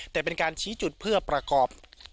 แต่เป็นการชี้จุดเพื่อประกอบ